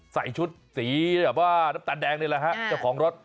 ใส่ชุดสีแบบว่าน้ำตาลแดงนี่แหละฮะเจ้าของรถ